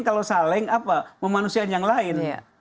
kalau saling memanusiai yang lain